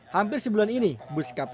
hampir sebulan ini bus kkb berhasil